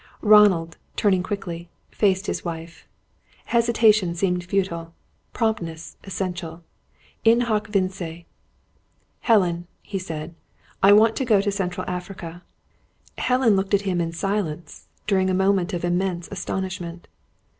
Ronald, turning quickly, faced his wife. Hesitation seemed futile; promptness, essential. In hoc vince! "Helen," he said, "I want to go to Central Africa." Helen looked at him in silence, during a moment of immense astonishment.